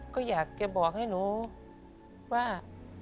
ก็อยากจะบอกให้หนูว่า